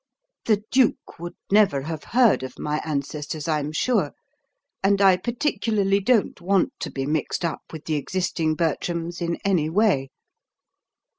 "The duke would never have heard of my ancestors, I'm sure, and I particularly don't want to be mixed up with the existing Bertrams in any way."